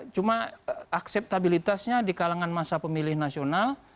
cuma akseptabilitasnya di kalangan masa pemilih nasional